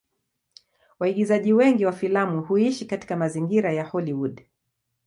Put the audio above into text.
Waigizaji wengi wa filamu huishi katika mazingira ya Hollywood.